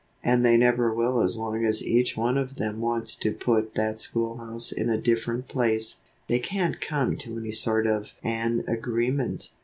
"And they never will as long as each one of them wants to put that schoolhouse in a different place. They can't come to any sort of an agreement."